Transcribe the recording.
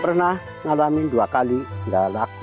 pernah ngalamin dua kali gak laku